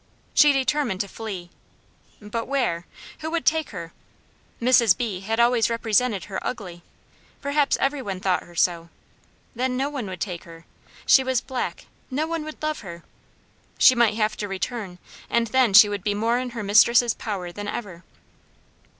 She determined to flee. But where? Who would take her? Mrs. B. had always represented her ugly. Perhaps every one thought her so. Then no one would take her. She was black, no one would love her. She might have to return, and then she would be more in her mistress' power than ever.